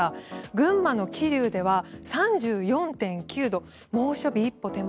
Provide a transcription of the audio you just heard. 群馬の桐生では３４．９度猛暑日一歩手前。